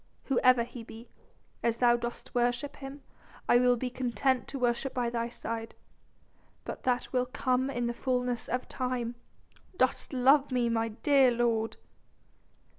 Whoever he be, as thou dost worship him, I will be content to worship by thy side. But that will come in the fullness of time. Dost love me, my dear lord?"